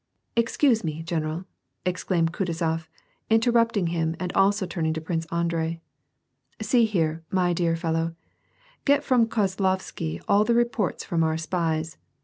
" Excuse me, general " exclaimed Kutuzof, interrupting him and also turning to Prince Andrei. " See here, my dear fel low, get from Kozlovsky all the reports from our spies.